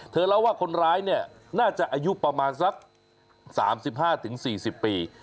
เล่าว่าคนร้ายเนี่ยน่าจะอายุประมาณสัก๓๕๔๐ปี